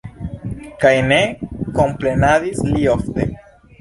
Kaj ne komprenadis li ofte.